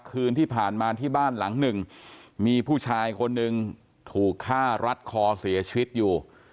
คืนที่ผ่านมาที่บ้านหลังหนึ่งมีผู้ชายคนหนึ่งถูกฆ่ารัดคอเสียชีวิตอยู่